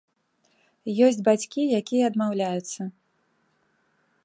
Ёсць бацькі, якія адмаўляюцца.